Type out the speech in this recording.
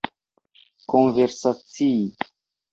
konversacii